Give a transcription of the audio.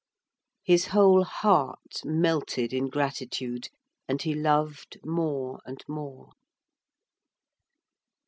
His whole heart melted in gratitude, and he loved more and more.